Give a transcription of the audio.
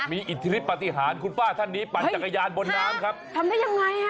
มีอิทธิฤทธิปฏิหารคุณป้าท่านนี้ปั่นจักรยานบนน้ำครับทำได้ยังไงอ่ะ